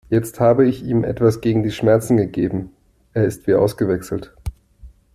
Jetzt habe ich ihm etwas gegen die Schmerzen gegeben, er ist wie ausgewechselt.